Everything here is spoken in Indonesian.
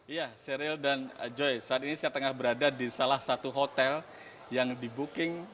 iya seril dan joy saat ini saya tengah berada di salah satu hotel yang di booking